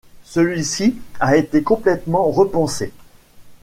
Celui-ci a été complètement repensé.